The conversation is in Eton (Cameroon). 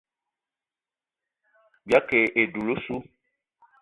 Bìayî ke e dula ossu.